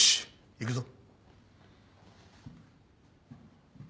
行くぞ。